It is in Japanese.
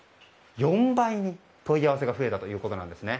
４倍に問い合わせが増えたということです。